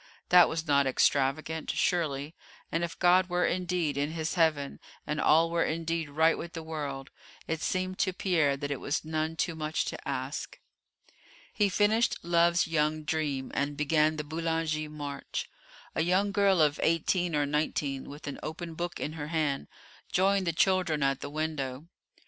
That was not extravagant, surely, and if God were indeed in His heaven, and all were indeed right with the world, it seemed to Pierre that it was none too much to ask. He finished "Love's Young Dream," and began the "Boulanger March." A young girl of eighteen or nineteen, with an open book in her hand, joined the children at the window.